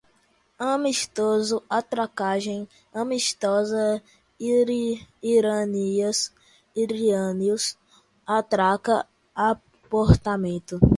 Amistoso, atracagem, amistosa, iranianas, iranianos, atraca, aportamento